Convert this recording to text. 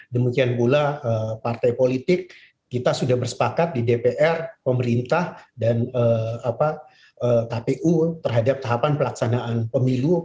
demikian pula partai politik kita sudah bersepakat di dpr pemerintah dan kpu terhadap tahapan pelaksanaan pemilu